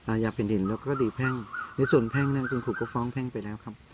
อาญาแผ่นดินแล้วก็คดีแพ่งในส่วนแพ่งนั้นคุณครูก็ฟ้องแพ่งไปแล้วครับ